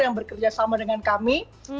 yang bekerja sama dengan kami